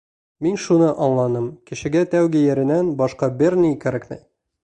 Мин шуны аңланым: кешегә тәүге йәренән башҡа бер ни кәрәкмәй.